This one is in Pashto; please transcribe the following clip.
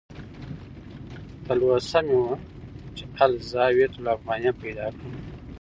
تلوسه مې وه چې "الزاویة الافغانیه" پیدا کړم.